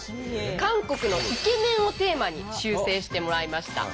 「韓国のイケメン」をテーマに修正してもらいました。